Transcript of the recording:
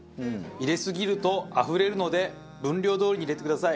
入れすぎるとあふれるので分量どおりに入れてください。